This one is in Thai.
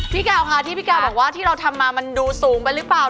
พี่กาวค่ะที่พี่กาวบอกว่าที่เราทำมามันดูสูงไปหรือเปล่า